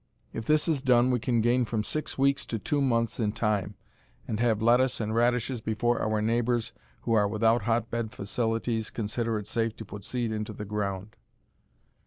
If this is done we can gain from six weeks to two months in time, and have lettuce and radishes before our neighbors who are without hotbed facilities consider it safe to put seed into the ground.